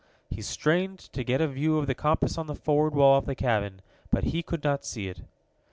He strained to get a view of the compass on the forward wall of the cabin, but he could not see it.